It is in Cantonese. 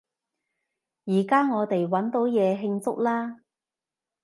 依加我哋搵到嘢慶祝喇！